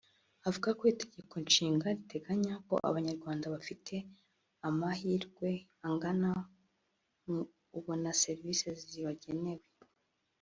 Avuga ko Itegeko Nshinga riteganya ko Abanyarwanda bafite amahirwe angana mu ubona serivisi zibagenewe